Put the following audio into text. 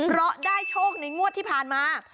เพราะได้โชคในงวดที่ผ่านมา